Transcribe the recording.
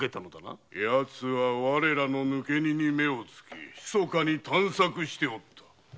やつはわれらの抜け荷に目を付け密かに探索しておった。